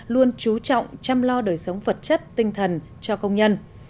luôn chú trọng chăm lo đời sống vật chất tinh thần cho công nhân